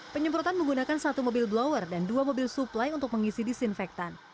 penyemprotan menggunakan satu mobil blower dan dua mobil suplai untuk mengisi disinfektan